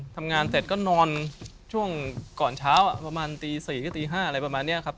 ทำงานเสร็จก็นอนช่วงก่อนเช้าประมาณตี๔ก็ตี๕อะไรประมาณนี้ครับ